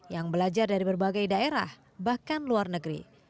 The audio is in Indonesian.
yang belajar dari berbagai daerah bahkan luar negeri